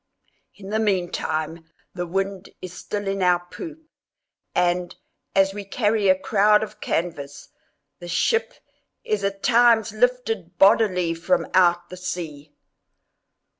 In the meantime the wind is still in our poop, and, as we carry a crowd of canvas, the ship is at times lifted bodily from out the sea!